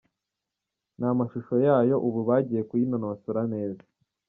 n’amashusho yayo, ubu bagiye kuyinonsora neza.